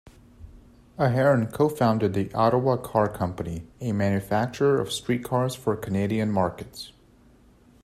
Ahearn co-founded the Ottawa Car Company, a manufacturer of streetcars for Canadian markets.